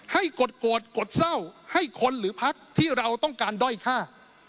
กดโกรธกดเศร้าให้คนหรือพักที่เราต้องการด้อยค่า